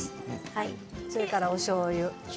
それからおしょうゆ。